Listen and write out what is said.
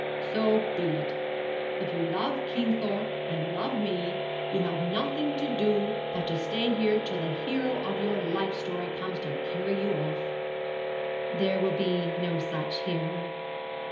'So be it. If you love Kingthorpe and love me, you have nothing to do but to stay here till the hero of your life story comes to carry you off.' 'There will be no such hero.'